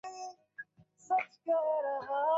কারণ আমাকে নিয়ে লেখা ভয়ংকর কোনো লেখায় চোখ পড়ে যেতে পারে।